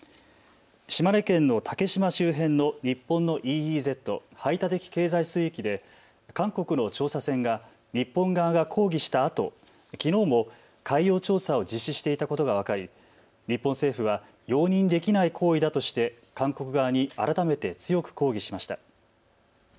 島根県の竹島周辺の日本のＥＥＺ・排他的経済水域で韓国の調査船が日本側が抗議したあときのうも海洋調査を実施していたことが分かり日本政府は容認できない行為だとして韓国側に改めて強く抗議しました。